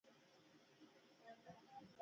عبدالستاره په خيرونه کله رالې.